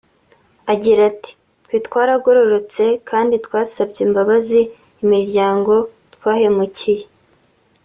Agira ati “Twe twaragororotse kandi twasabye imbabazi imiryango twahemukiye